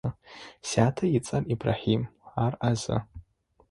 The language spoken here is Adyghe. Сятэ ыцӏэр Ибрахьим, ар ӏазэ.